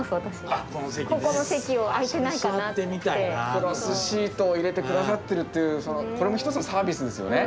クロスシートを入れて下さってるっていうこれも一つのサービスですよね。